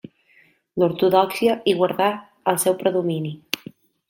L'ortodòxia hi guardà el seu predomini.